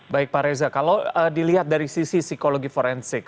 baik pak reza kalau dilihat dari sisi psikologi forensik